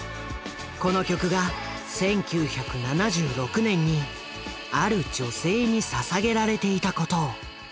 この曲が１９７６年にある女性にささげられていたことを。